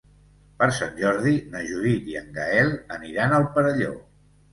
Per Sant Jordi na Judit i en Gaël aniran al Perelló.